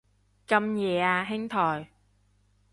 咁夜啊兄台